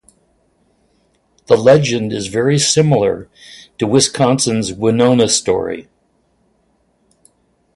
The legend is very similar to Wisconsin's Winona story.